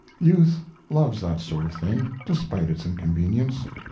Youth loves that sort of thing, despite its inconvenience.